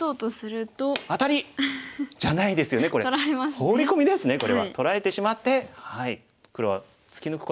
ホウリコミですねこれは。取られてしまって黒は突き抜くことができません。